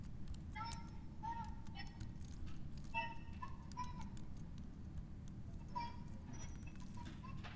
inasemekana aliyafanya kwa ajili ya kutengeneza mazingira ya kugombea urais